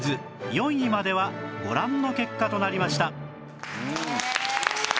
４位まではご覧の結果となりました